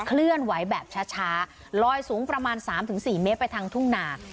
เคลื่อนไหวแบบช้าลอยสูงประมาณ๓๔เมตรไปทางทุ่งหนา